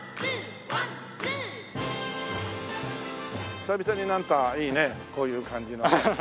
久々になんかいいねこういう感じのね。